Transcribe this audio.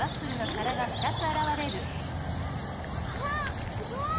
わっすごい！